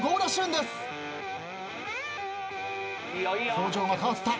表情が変わった。